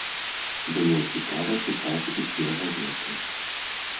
Было цікава чытаць усе газеты.